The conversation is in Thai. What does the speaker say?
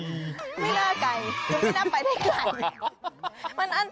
ไม่น่าไกลคือไม่น่าไปได้ไกล